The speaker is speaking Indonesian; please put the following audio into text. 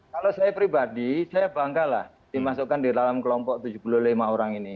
kalau saya pribadi saya bangga lah dimasukkan di dalam kelompok tujuh puluh lima orang ini